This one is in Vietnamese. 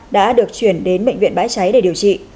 đã được chuyển đến bệnh viện bãi cháy để điều trị